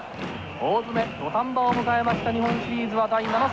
大詰め土壇場を迎えました日本シリーズは第７戦。